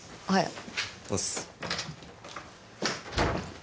はい。